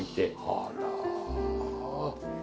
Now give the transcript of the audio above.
あら。